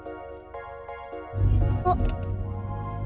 あっ。